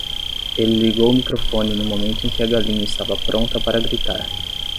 Ele ligou o microfone no momento em que a galinha estava pronta para gritar.